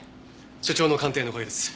所長の鑑定のおかげです。